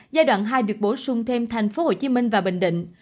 giai đoạn hai được bổ sung thêm thành phố hồ chí minh và bình định